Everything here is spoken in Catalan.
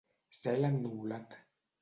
Cel ennuvolat.